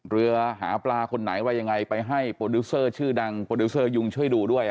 เรือหาปลาคนไหนว่ายังไงไปให้โปรดิวเซอร์ชื่อดังโปรดิวเซอร์ยุงช่วยดูด้วย